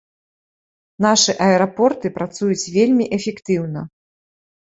Нашы аэрапорты працуюць вельмі эфектыўна.